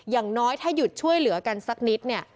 อย่างน้อยถ้าหยุดช่วยเหลือกันสักนิดเนี่ย